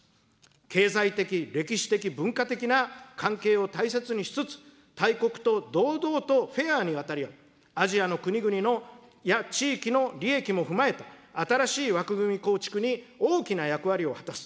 経済的、歴史的、文化的な関係を大切にしつつ、大国と堂々とフェアに渡り合う、アジアの国々や地域の利益も踏まえた、新しい枠組み構築に大きな役割を果たす。